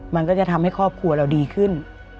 มันก็จะทำให้ครอบครัวเราดีขึ้น